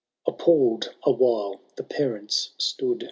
Appall'd a while the parenti stood.